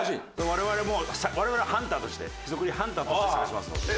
我々も我々はハンターとしてへそくりハンターとして探しますので。